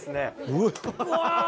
うわ！